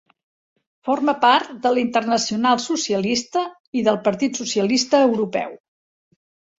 Forma part de la Internacional Socialista i del Partit Socialista Europeu.